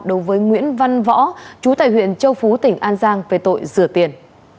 đối với nguyễn văn võ chú tại huyện châu phú tỉnh an giang về tội rửa tiền